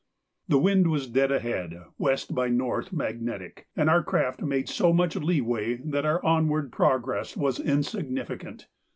The wind was dead ahead, west by north (magnetic), and our craft made so much leeway that our onward progress was insignificant.